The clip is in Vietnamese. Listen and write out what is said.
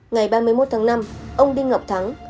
ngày ba mươi một tháng năm ông đinh ngọc thắng